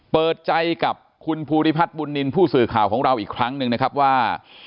เปิดใจกับคุณภูริพัฒน์บุญนินทร์ผู้สื่อข่าวของเราอีกครั้งหนึ่งนะครับว่า